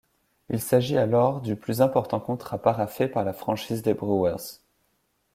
Il s'agit alors du plus important contrat paraphé par la franchise des Brewers.